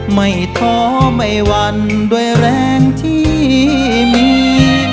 ไม่ท้อไม่วันด้วยแรงที่มี